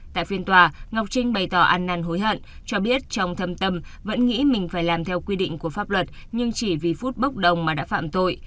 tại phiên tòa ngọc trinh bày tỏ ăn năn hối hận cho biết trong thâm tâm vẫn nghĩ mình phải làm theo quy định của pháp luật nhưng chỉ vì phút bốc đồng mà đã phạm tội